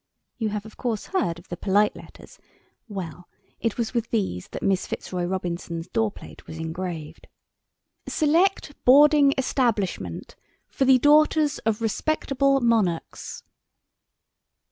(You have, of course, heard of the "polite letters." Well, it was with these that Miss Fitzroy Robinson's door plate was engraved.) "SELECT BOARDING ESTABLISHMENT FOR THE DAUGHTERS OF RESPECTABLE MONARCHS."